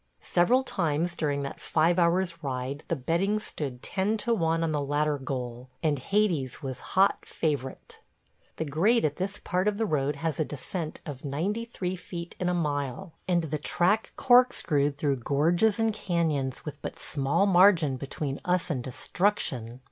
Several times during that five hours' ride the betting stood ten to one on the latter goal, and Hades was hot favorite. The grade at this part of the road has a descent of 93 feet in a mile, and the track corkscrewed through gorges and cañons with but small margin between us and destruction.